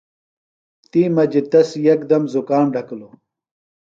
تی مجیۡ تس یکدم زُکام ڈھکِلوۡ۔